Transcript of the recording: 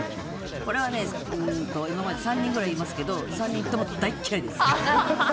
これは今まで３人ぐらいいますが３人とも大嫌いです。